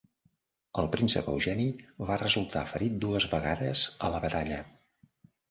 El príncep Eugeni va resultar ferit dues vegades a la batalla.